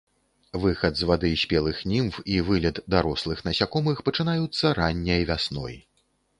Выхад з вады спелых німф і вылет дарослых насякомых пачынаюцца ранняй вясной.